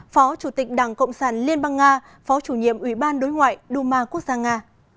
phó chủ tịch đảng cộng sản liên bang nga phó chủ nhiệm ủy ban đối ngoại duma quốc gia nga